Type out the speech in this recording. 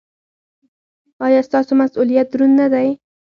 ایا ستاسو مسؤلیت دروند نه دی؟